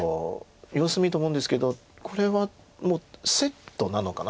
様子見と思うんですけどこれはもうセットなのかな。